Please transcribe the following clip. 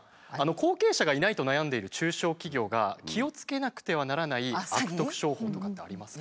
後継者がいないと悩んでいる中小企業が気をつけなくてはならない悪徳商法とかってありますか？